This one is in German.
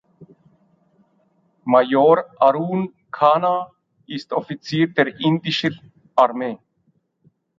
Major Arun Khanna ist Offizier der indischen Armee.